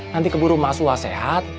nanti keburu emak suha sehat